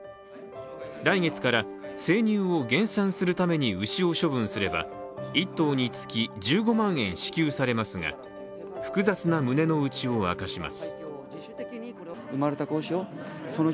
来月から生乳を減産するために牛を処分すれば、１頭につき１５万円支給されますが、複雑な胸のうちを明かします。